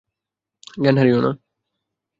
জ্ঞান হারিয়ো না।